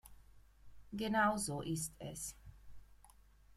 Genau so ist es.